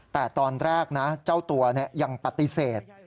แต่ตอนแรกนะเจ้าตัวยังปฏิเสธ